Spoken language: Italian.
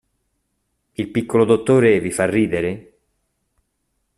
Il piccolo dottore vi fa ridere?